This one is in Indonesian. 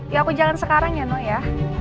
ya aku jalan sekarang ya no ya